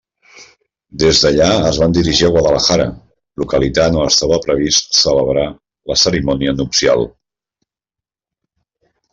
Des d'allà es van dirigir a Guadalajara, localitat on estava previst celebrar la cerimònia nupcial.